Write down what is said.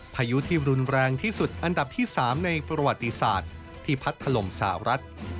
พายุที่รุนแรงที่สุดอันดับที่๓ในประวัติศาสตร์ที่พัดถล่มสาวรัฐ